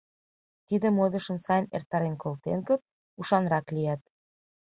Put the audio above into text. — Тиде модышым сайын эртарен колтет гын, ушанрак лият.